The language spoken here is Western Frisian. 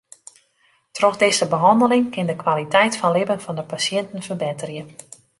Troch dizze behanneling kin de kwaliteit fan libben fan de pasjinten ferbetterje.